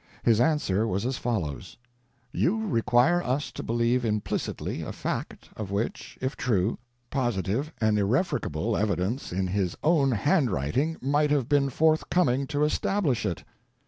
His answer was as follows: "You require us to believe implicitly a fact, of which, if true, positive and irrefragable evidence in his own handwriting might have been forthcoming to establish it.